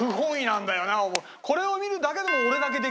これを見るだけでもやめて！